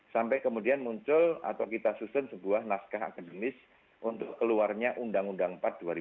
sampai kemudian muncul atau kita susun sebuah naskah akademis untuk keluarnya undang undang empat dua ribu dua